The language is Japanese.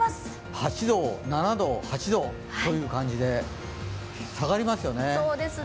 ８度、７度、８度という感じで下がりますね。